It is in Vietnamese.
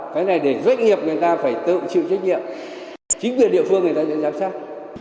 cái này để doanh nghiệp người ta phải tự chịu trách nhiệm chính quyền địa phương người ta đã giám sát